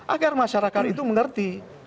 agar masyarakat itu mengerti